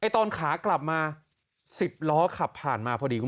ตอนขากลับมา๑๐ล้อขับผ่านมาพอดี